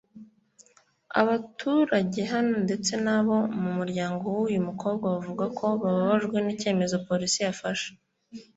Abaturage hano ndetse n’abo mu muryango w’uyu mukobwa bavuga ko bababajwe n’ikemezo Police yafashe